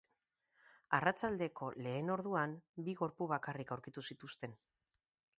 Arratsaldeko lehen orduan bi gorpu bakarrik aurkitu zituzten.